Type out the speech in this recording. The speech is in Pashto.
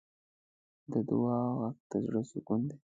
د دعا غږ د زړۀ سکون دی.